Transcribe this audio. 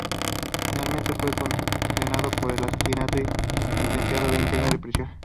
Finalmente fue condenado por el asesinato y sentenciado a veinte años de prisión.